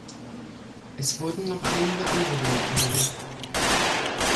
Es wurden noch einige andere Dinge erwähnt.